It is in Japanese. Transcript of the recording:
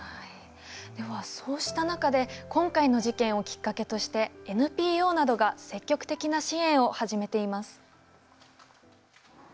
ではそうした中で今回の事件をきっかけとしてＮＰＯなどが積極的な支援を始めています。